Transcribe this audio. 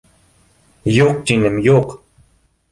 — Юҡ, тинем, юҡ!